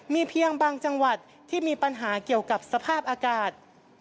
มีเพียงบางจังหวัดที่มีปัญหาเกี่ยวกับสภาพอากาศ